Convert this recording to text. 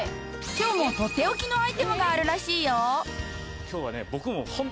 今日もとっておきのアイテムがあるらしいよ。